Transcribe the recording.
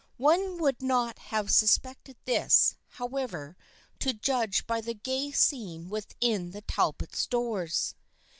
One would not have suspected this, however, to judge by the gay scene within the Talbots' doors.